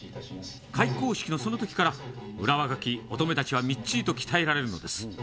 開講式のそのときからうら若き乙女たちはみっちりと鍛えられるのです。